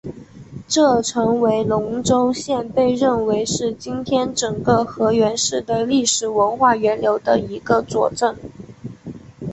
这成为龙川县被认为是今天整个河源市的历史文化源流的一个佐证。